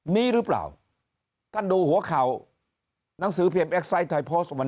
มีหรือเปล่าการดูหัวข่าวหนังสือเพียมแอคไซค์ไทยโพสต์วัน